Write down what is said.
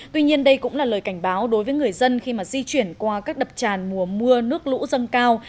tuy nhiên đây cũng là lời cảnh báo đối với người dân khi mà di chuyển qua các đập tràn mùa mưa nước lũ dâng cao